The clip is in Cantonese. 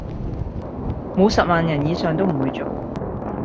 冇十萬人以上都唔會做